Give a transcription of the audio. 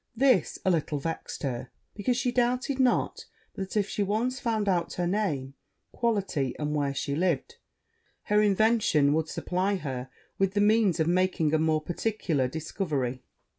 This a little vexed her, because she doubted not but that, if she once found out her name, quality, and where she lived, her invention would supply her with the means of making a more particular discovery.